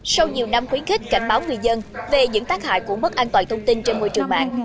sau nhiều năm khuyến khích cảnh báo người dân về những tác hại của mất an toàn thông tin trên môi trường mạng